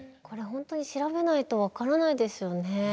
これ本当に調べないと分からないですよね。